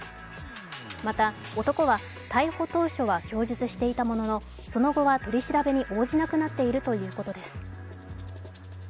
また男は逮捕当初は供述していたもののその後は取り調べに応じなくなっているということです。